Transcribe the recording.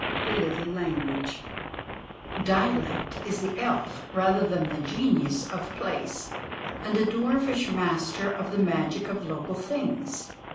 THE LITTLE LANGUAGE Dialect is the elf rather than the genius of place, and a dwarfish master of the magic of local things.